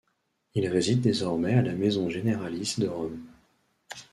Il réside désormais à la maison généralice de Rome.